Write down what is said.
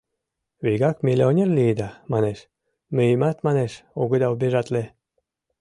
Вигак миллионер лийыда, манеш, мыйымат, манеш, огыда обижатле.